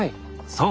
そう。